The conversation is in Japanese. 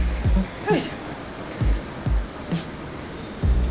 はい。